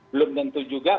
belum tentu juga